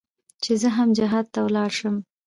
چې زه هم جهاد ته ولاړ سم.